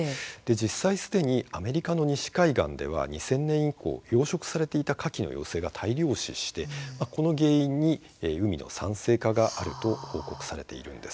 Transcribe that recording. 実際にすでにアメリカの西海岸では２０００年以降、養殖されていたカキの幼生が大量死してこの原因に海の酸性化があると報告されているんです。